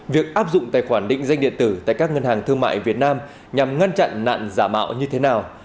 việc áp dụng tài khoản định danh điện tử tại các ngân hàng thương mại việt nam nhằm ngăn chặn nạn giả mạo như thế nào